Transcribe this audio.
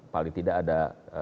paling tidak ada